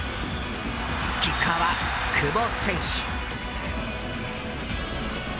キッカーは久保。